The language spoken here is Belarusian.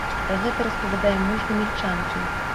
Пра гэта распавядае муж гамяльчанкі.